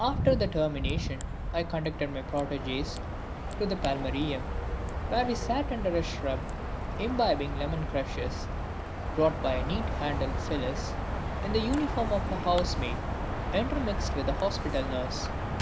After the termination I conducted my protégées to the Palmarium, where we sat under a shrub imbibing lemon crushes, brought by a neat handed Phyllis in the uniform of a house maid intermixed with a hospital nurse.